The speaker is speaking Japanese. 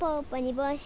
ぼうし。